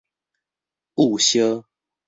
焐燒